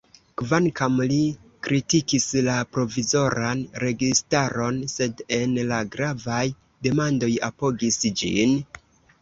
Kvankam li kritikis la provizoran registaron, sed en la gravaj demandoj apogis ĝin.